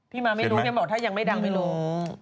มาไม่รู้เนี่ยบอกถ้ายังไม่ดังไม่รู้